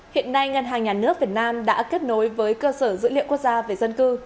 hiện nay ngân hàng nhà nước việt nam đã kết nối với cơ sở dữ liệu quốc gia về dân cư